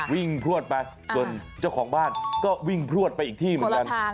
พลวดไปจนเจ้าของบ้านก็วิ่งพลวดไปอีกที่เหมือนกัน